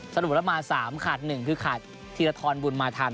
สรุปละมา๓ขาด๑คือขาดธีรธรรมบุญมาทัน